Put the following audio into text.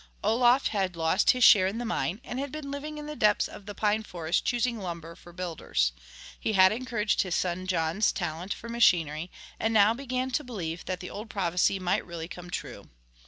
Olof had lost his share in the mine and had been living in the depths of the pine forest choosing lumber for builders. He had encouraged his son John's talent for machinery, and now began to believe that the old prophecy might really come true.